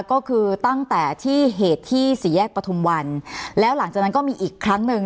ก็คือตั้งแต่ที่เหตุที่สี่แยกปฐุมวันแล้วหลังจากนั้นก็มีอีกครั้งหนึ่ง